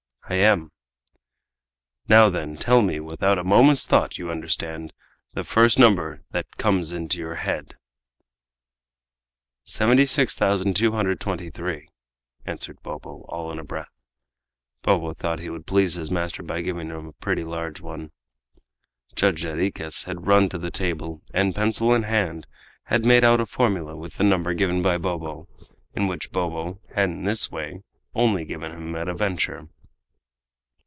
"I am." "Now, then, tell me, without a moment's thought you understand the first number than comes into your head." "76223," answered Bobo, all in a breath. Bobo thought he would please his master by giving him a pretty large one! Judge Jarriquez had run to the table, and, pencil in hand, had made out a formula with the number given by Bobo, and which Bobo had in this way only given him at a venture.